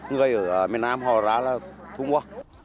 người ở miền nam họ ra là thúng quá